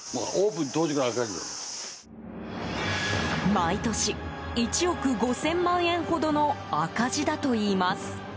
毎年、１億５０００万円ほどの赤字だといいます。